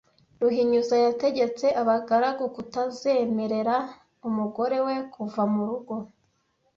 Ruhinyuza yategetse abagaragu kutazemerera umugore we kuva mu rugo